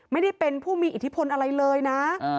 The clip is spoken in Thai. ไม่ได้เป็นผู้มีอิทธิพลอะไรเลยนะ